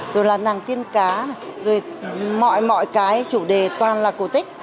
rồi là nàng tiên cá rồi mọi mọi cái chủ đề toàn là cổ tích